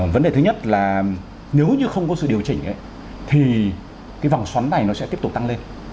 vấn đề thứ nhất là nếu như không có sự điều chỉnh thì cái vòng xoắn này nó sẽ tiếp tục tăng lên